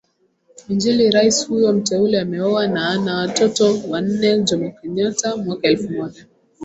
injiliRais huyo mteule ameoa na ana watoto wanneJomo Kenyatta mwaka elfu moja